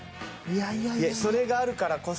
それがあるからこそ。